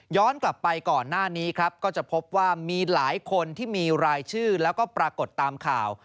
กลับไปก่อนหน้านี้ครับก็จะพบว่ามีหลายคนที่มีรายชื่อแล้วก็ปรากฏตามข่าว